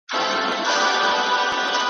د ویالو په څېر یې ولیدل سیندونه ,